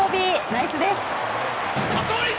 ナイスです。